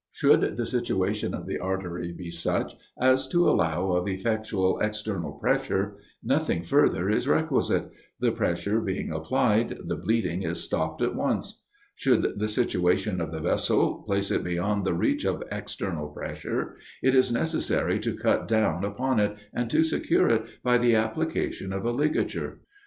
Should the situation of the artery be such as to allow of effectual external pressure, nothing further is requisite: the pressure being applied, the bleeding is stopped at once: should the situation of the vessel place it beyond the reach of external pressure, it is necessary to cut down upon it, and to secure it by the application of a ligature.